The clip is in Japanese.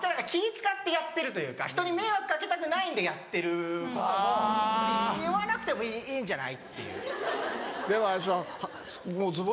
気使ってやってるというかひとに迷惑掛けたくないんでやってることを言わなくてもいいんじゃないっていう。